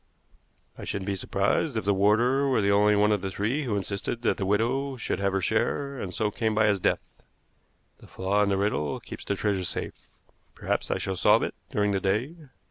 I shouldn't be surprised if the warder were the only one of the three who insisted that the widow should have her share, and so came by his death. The flaw in the riddle keeps the treasure safe. Perhaps I shall solve it during the day.